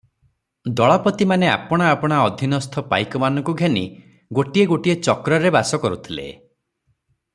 ଦଳପତିମାନେ ଆପଣା ଆପଣା ଅଧିନସ୍ଥ ପାଇକମାନଙ୍କୁ ଘେନି ଗୋଟିଏ ଗୋଟିଏ ଚକ୍ରରେ ବାସ କରୁଥିଲେ ।